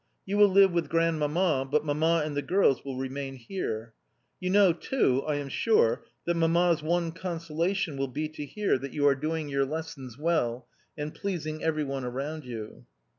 You will live with Grandmamma, but Mamma and the girls will remain here. You know, too, I am sure, that Mamma's one consolation will be to hear that you are doing your lessons well and pleasing every one around you."